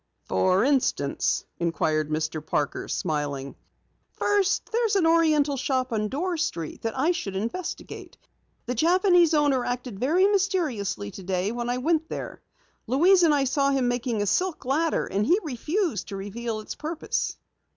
"For instance?" inquired Mr. Parker, smiling. "First, there's an Oriental Shop on Dorr Street that I should investigate. The Japanese owner acted very mysteriously today when I went there. Louise and I saw him making a silk ladder, and he refused to reveal its purpose."